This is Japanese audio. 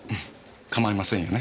構いませんよね？